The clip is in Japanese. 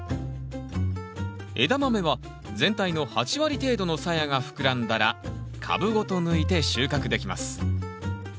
エダマメは全体の８割程度のさやが膨らんだら株ごと抜いて収穫できます